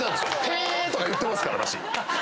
へぇ！とか言ってますから。